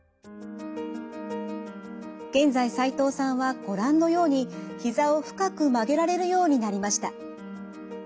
現在齋藤さんはご覧のようにひざを深く曲げられるようになりました。